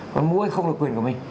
còn mua thì không được quyền của mình